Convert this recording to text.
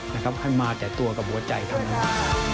ให้มาแต่ตัวกับหัวใจเท่านั้น